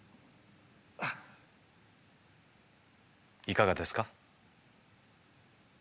いかがですか？